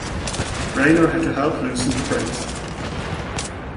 Raynor had to help loosen the brakes.